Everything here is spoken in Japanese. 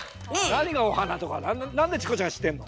何がお花とかなんでチコちゃん知ってんの！